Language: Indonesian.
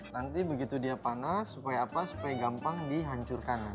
nanti begitu dia panas supaya apa supaya gampang dihancurkan